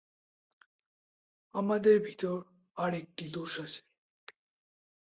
আমাদের ভিতর আর একটি দোষ আছে।